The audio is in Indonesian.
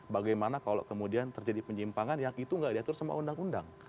bagaimana kalau kemudian terjadi penyimpangan yang itu nggak diatur sama undang undang